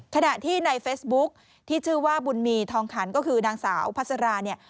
ขณะที่ในเฟซบุ๊คที่ชื่อว่าบุญมีทองขันก็คือนางสาวพัสราเนี่ย